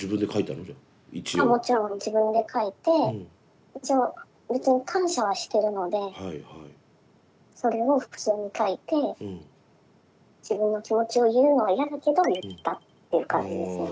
ああもちろん自分で書いて一応別に感謝はしてるのでそれを普通に書いて自分の気持ちを言うのは嫌だけど言ったっていう感じですね。